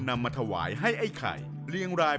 นำมาถวายให้ไอ้ไข่เรียงราย